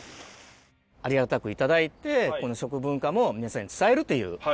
ありがたく頂いて、この食文化も皆さんに伝えるという。